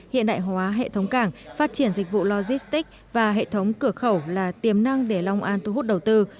hiện đại hóa hệ thống cảng phát triển dịch vụ logistics và hệ thống cửa khẩu là tiềm năng để long an thu hút đầu tư